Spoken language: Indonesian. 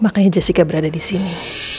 makanya jessica berada di sini